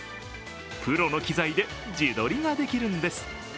プロの機材で自撮りができるんです。